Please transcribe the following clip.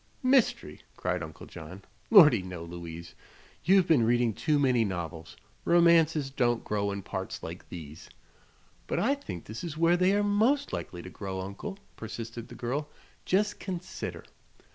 "Mystery!" cried Uncle John. "Lordy, no, Louise. You've been readin' too many novels. Romances don't grow in parts like these." "But I think this is where they are most likely to grow, Uncle," persisted the girl, "just consider.